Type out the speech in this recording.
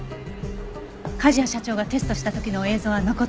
梶谷社長がテストした時の映像は残っていますか？